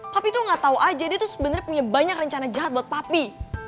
tapi tuh gak tau aja dia tuh sebenarnya punya banyak rencana jahat buat papi